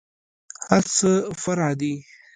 هرڅه فرع دي.